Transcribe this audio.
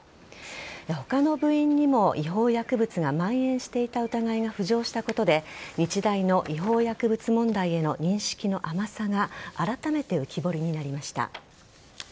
他の部員にも違法薬物がまん延していた疑いが浮上したことで日大の違法薬物問題への認識の甘さがあらためて浮き彫りになりました。